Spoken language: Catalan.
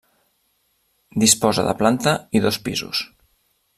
Disposa de planta i dos pisos.